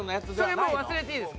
それもう忘れていいです。